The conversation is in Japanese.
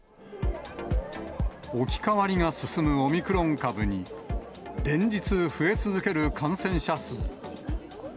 置き換わりが進むオミクロン株に、連日増え続ける感染者数。